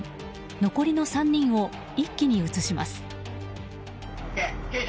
残りの３人を一気に移します。